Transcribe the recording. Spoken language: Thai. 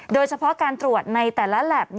โดยเฉพาะการตรวจในแต่ละแล็บ